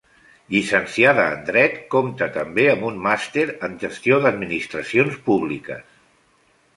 Llicenciada en Dret, compte també amb un Màster en Gestió d'Administracions Públiques.